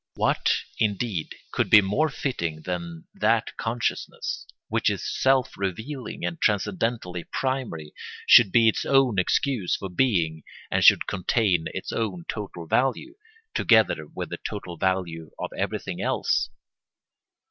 What, indeed, could be more fitting than that consciousness, which is self revealing and transcendentally primary, should be its own excuse for being and should contain its own total value, together with the total value of everything else?